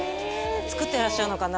造ってらっしゃるのかな？